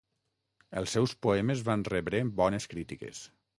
Els seus poemes van rebre bones crítiques.